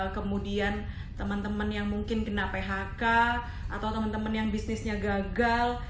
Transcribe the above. kemudian teman teman yang mungkin kena phk atau teman teman yang bisnisnya gagal